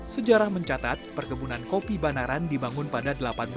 sejarah mencatat perkebunan kopi banaran dibangun pada seribu delapan ratus tiga puluh